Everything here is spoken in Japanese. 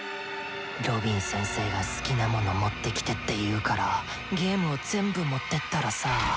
ロビン先生が好きな物持ってきてっていうからゲームを全部持ってったらさ。